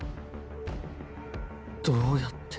どうやって？